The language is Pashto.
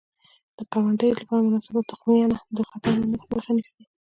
د کروندې لپاره مناسبه تخمینه د خطر مخه نیسي.